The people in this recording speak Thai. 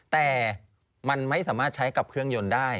แต่มันไม่สามารถใช้กับเครื่องยนต์ได้